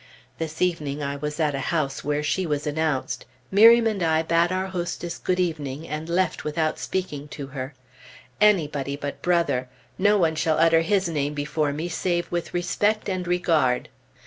This evening I was at a house where she was announced. Miriam and I bade our hostess good evening and left without speaking to her. Anybody but Brother! No one shall utter his name before me save with respect and regard.